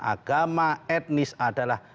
agama etnis adalah